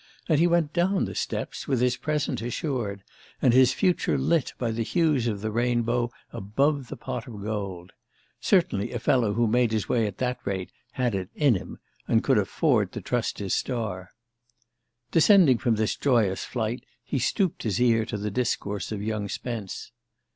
And he went down the steps with his present assured, and his future lit by the hues of the rainbow above the pot of gold. Certainly a fellow who made his way at that rate had it "in him," and could afford to trust his star. Descending from this joyous flight he stooped his ear to the discourse of young Spence.